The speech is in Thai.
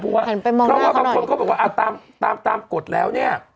เห็นไปมองหน้าเขาหน่อยเพราะว่าบางคนเขาบอกว่าอ่าตามตามตามกฎแล้วเนี้ย